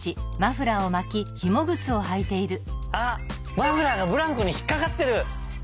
マフラーがブランコにひっかかってる！